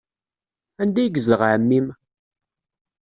Anda ay yezdeɣ ɛemmi-m?